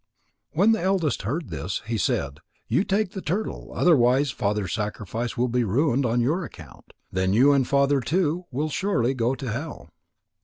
When the eldest heard this, he said: "You take the turtle, otherwise Father's sacrifice will be ruined on your account. Then you and Father too will surely go to hell."